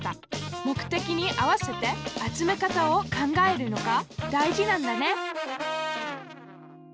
目的に合わせて集め方を考えるのが大事なんだね！